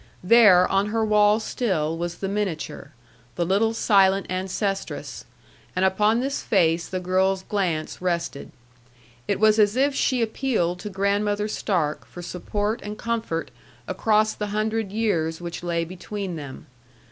There, on her wall still, was the miniature, the little silent ancestress; and upon this face the girl's glance rested. It was as if she appealed to Grandmother Stark for support and comfort across the hundred years which lay between them.